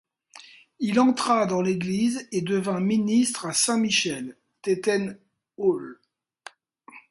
Il entra dans l'Église et devint ministre à Saint-Michel, Tettenhall.